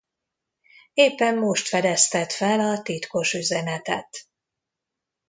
Éppen most fedezted fel a titkos üzenetet.